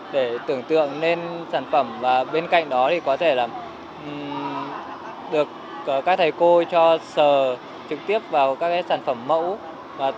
để có được những sản phẩm nghệ thuật này các cô và trò đã rất kiên trì với nghệ thuật